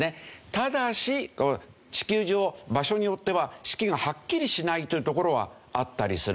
ただし地球上場所によっては四季がはっきりしないという所はあったりする。